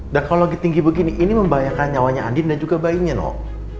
dan kalau lebih tinggi begini ini membahayakan nyawanya andin dan juga bayinya noh